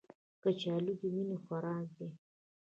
کچالو د مینې خوراک دی